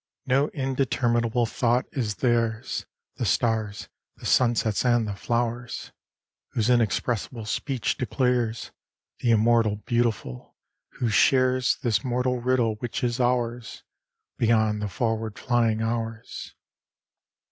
No indeterminable thought is theirs, The stars', the sunsets' and the flowers'; Whose inexpressible speech declares Th' immortal Beautiful, who shares This mortal riddle which is ours, Beyond the forward flying hours.